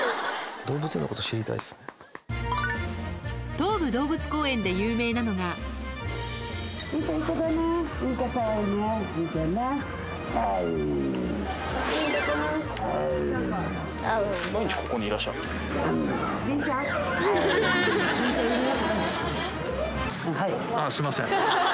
東武動物公園で有名なのがあぁすいません。